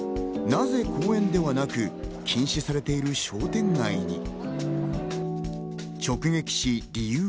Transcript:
なぜ公園ではなく、禁止されている商店街に？